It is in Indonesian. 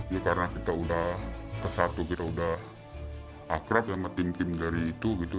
ya karena kita udah kesatu kita udah akrab sama tim tim dari itu gitu